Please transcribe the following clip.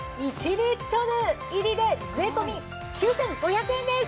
リットル入りで税込９５００円です！